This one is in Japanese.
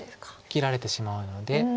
切られてしまうので。